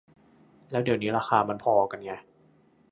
แล้วเดี๋ยวนี้ราคามันพอกันไง